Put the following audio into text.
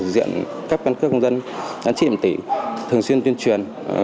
diện các căn cứ công dân đánh trị điểm tỉ thường xuyên tuyên truyền